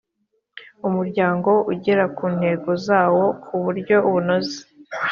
umuryango ugera ku ntego zawo ku buryo bunoze